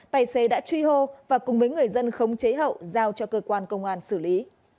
tài xế đã truy hô và cùng với người dân khống chế hậu giao cho cơ quan công an xử lý